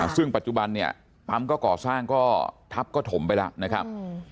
ซึ่งปัจจุบันเนี่ยปั๊มก็ก่อสร้างก็ทัพก็ถมไปแล้วนะครับ